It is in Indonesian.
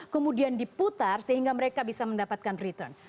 kemudian diputar sehingga mereka bisa mendapatkan return